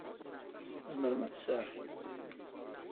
Tzemrem ad testeɛfum.